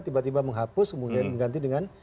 tiba tiba menghapus kemudian mengganti dengan